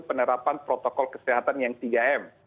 penerapan protokol kesehatan yang tiga m